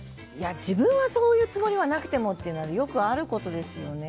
自分はそういうつもりはなくてもということはよくあることですよね。